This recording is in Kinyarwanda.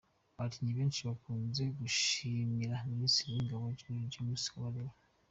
Abakinnyi benshi bakunze gushimira Minisitiri w’ingabo General James Kabarebe.